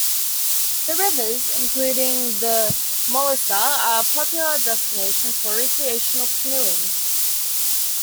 The rivers, including the Mullica, are popular destinations for recreational canoeing.